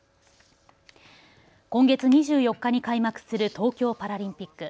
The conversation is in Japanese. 今月２４日に開幕する東京パラリンピック。